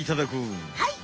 はい！